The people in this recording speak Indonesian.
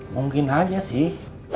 mungkin aja sih